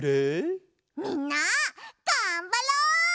みんながんばろ！